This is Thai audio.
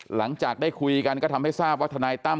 หลังจากได้คุยกันก็ทำให้ทราบว่าทนายตั้ม